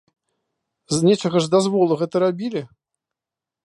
З нечага ж дазволу гэта рабілі!